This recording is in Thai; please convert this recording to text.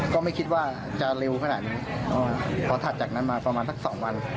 ก็ไม่คิดว่าจะเร็วขนาดนี้พอถัดจากนั้นมาประมาณสักสองวัน